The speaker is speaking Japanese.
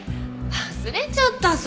忘れちゃった